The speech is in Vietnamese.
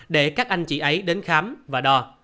để các anh chị ấy đến khám và đo